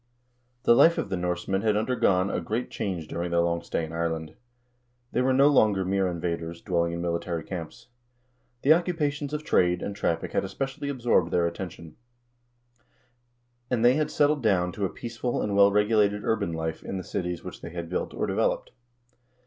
The life of the Norsemen had undergone a great change during their long stay in Ireland. They were no longer mere invaders, dwell ing in military camps. The occupations of trade and traffic had especially absorbed their attention, and they had settled down to a peaceful and well regulated urban life in the cities which they had built or developed.